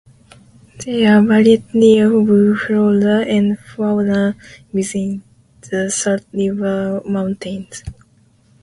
There are a variety of flora and fauna within the Salt River Mountains.